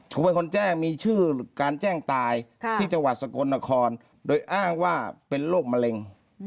ผมเป็นคนแจ้งมีชื่อการแจ้งตายที่จังหวัดสกลนครโดยอ้างว่าเป็นโรคมะเร็ง